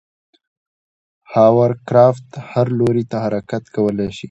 هاورکرافت هر لوري ته حرکت کولی شي.